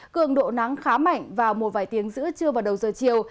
cường độ nắng khá mạnh vào một vài tiếng giữa trưa và đầu giờ chiều